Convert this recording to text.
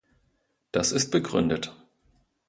Das ist begründet.